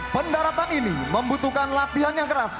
pendaratan ini membutuhkan latihan yang keras